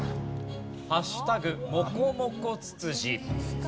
もこもこツツジ。